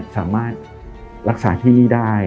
สามารถรักษาที่นี่ได้